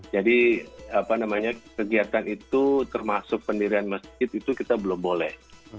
jadi apa namanya kegiatan itu termasuk pendirian masjid itu kita belum boleh